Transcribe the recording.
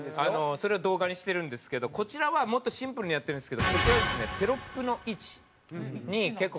それを動画にしてるんですけどこちらはもっとシンプルにやってるんですけどこちらはですねテロップの位置に結構こだわってて。